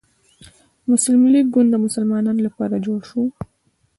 مسلم لیګ ګوند د مسلمانانو لپاره جوړ شو.